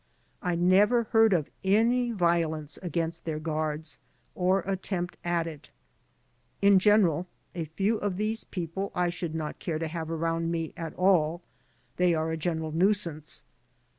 I never heard of any vblence against their sruards or attempt at it "In general, a few of these people I should not care to have around me at all; they are a general nuisance.